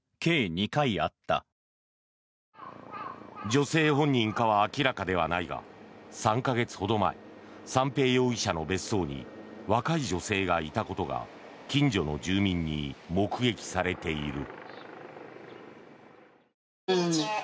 女性本人かは明らかではないが３か月ほど前三瓶容疑者の別荘に若い女性がいたことが近所の住民に目撃されている。